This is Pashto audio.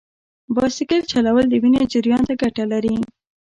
بایسکل چلول د وینې جریان ته ګټه لري.